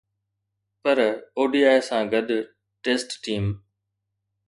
پر ODI سان گڏ، test team